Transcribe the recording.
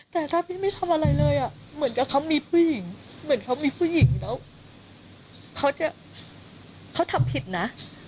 แต่ถ้าพี่ไม่ทำอะไรเลยอ่ะเหมือนกับเขามีผู้หญิงเหมือนเขามีผู้หญิงแล้วเขาจะเขาทำผิดนะ